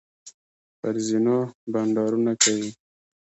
پر زینو بنډارونه کوي.